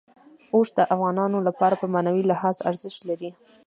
اوښ د افغانانو لپاره په معنوي لحاظ ارزښت لري.